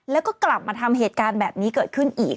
แล้วก็กลับมาทำเหตุการณ์แบบนี้เกิดขึ้นอีก